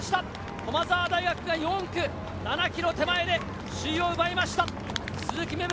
駒澤大学が４区、７ｋｍ手前で首位を奪いました、鈴木芽吹。